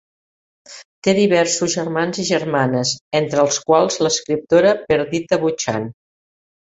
Té diversos germans i germanes, entre els quals l'escriptora Perdita Buchan.